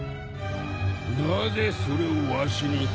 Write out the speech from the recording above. なぜそれをわしに聞く。